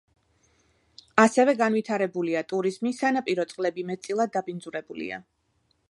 ასევე განვითარებულია ტურიზმი, სანაპირო წყლები მეტწილად დაბინძურებულია.